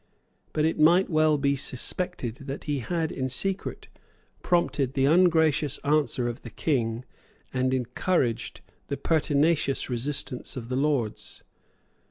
But it might well be suspected that he had in secret prompted the ungracious answer of the King and encouraged the pertinacious resistance of the Lords.